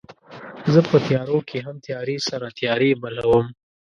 زه په تیارو کې هم تیارې سره تیارې بلوم